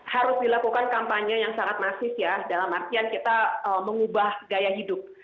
harus dilakukan kampanye yang sangat masif ya dalam artian kita mengubah gaya hidup